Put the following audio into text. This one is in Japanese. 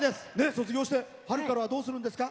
卒業して、春からはどうするんですか？